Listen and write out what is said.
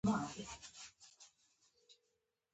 د افغانستان طبیعت له د کابل سیند څخه جوړ شوی دی.